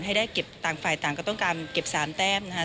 ให้ได้เก็บต่างฝ่ายต่างก็ต้องการเก็บ๓แต้มนะครับ